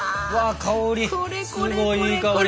香りすごいいい香り。